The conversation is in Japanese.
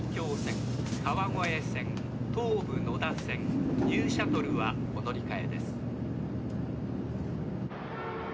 「川越線東武野田線ニューシャトルはお乗り換えです」